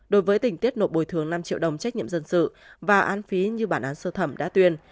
đối với tình tiết nộp bồi thường năm triệu đồng trách nhiệm dân sự và án phí như bản án sơ thẩm đã tuyên